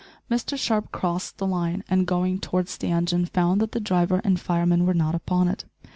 Mr Sharp crossed the line, and going towards the engine found that the driver and fireman were not upon it.